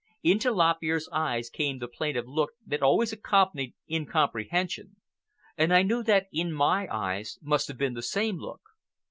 Into Lop Ear's eyes came the plaintive look that always accompanied incomprehension, and I know that in my eyes must have been the same look.